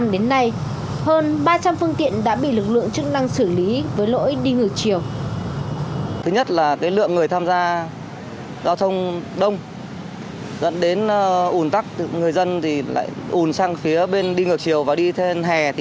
đến khi bị lực lượng chức năng xử lý ai cũng tìm đủ lý do để bị minh cho mình